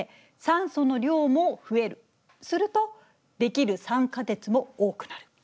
すると出来る酸化鉄も多くなる。